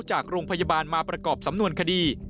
จากโรงพยาบาลมาประกอบสำนวนคดี